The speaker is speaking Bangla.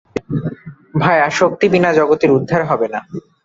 ভায়া, শক্তি বিনা জগতের উদ্ধার হবে না।